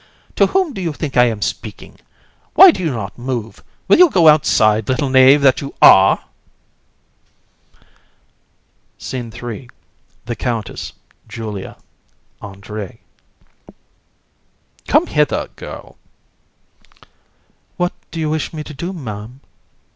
To whom do you think I am speaking? Why do you not move? Will you go outside, little knave that you are! SCENE III. THE COUNTESS, JULIA, ANDRÉE. COUN. Come hither, girl. AND. What do you wish me to do, Ma'am? COUN.